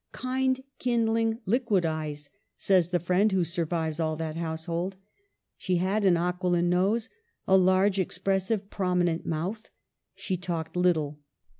" Kind, kindling, liquid eyes," says the friend who survives all that household. She had an aquiline nose, a large, expressive, prominent mouth. She talked little.